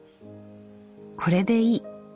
これでいい。